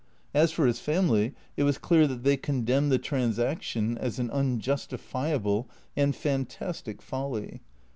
As for his family, it was clear that they condemned the transaction as an unjustifiable and fantastic folly.